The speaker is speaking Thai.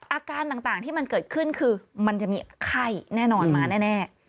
อาการต่างที่มันเกิดขึ้นคือมันจะมีไข้แน่นอนมาแน่